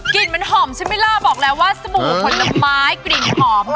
กลิ่นมันหอมใช่ไหมล่ะบอกแล้วว่าสบู่ผลไม้กลิ่นหอม